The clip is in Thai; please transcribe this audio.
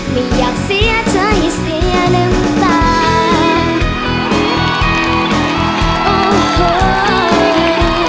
ไม่อยากเสียเธออย่าเสียน้ำตา